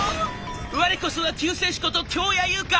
我こそは救世主こと京谷侑香。